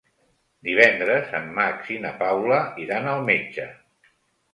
Divendres en Max i na Paula iran al metge.